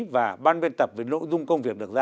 và ban biên tập về nội dung công việc được ra